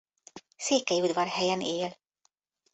Székelyudvarhelyen él.